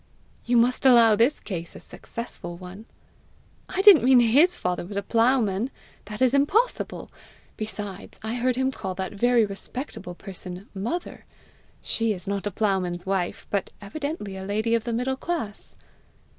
"You must allow this case a successful one!" "I didn't mean HIS father was a ploughman! That is impossible! Besides, I heard him call that very respectable person MOTHER! She is not a ploughman's wife, but evidently a lady of the middle class."